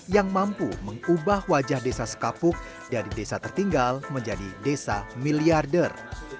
yang mampu mengubah wajah desa sekapuk dari desa tertinggal menjadi desa miliarder